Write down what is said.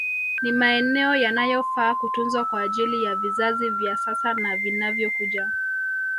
Ni maeneo yanayofaa kutunzwa kwa ajili ya vizazi vya sasa na vinavyokuja